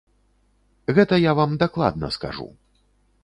Гэта я вам дакладна скажу.